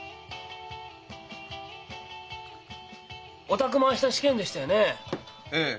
お宅も明日試験でしたよねえ？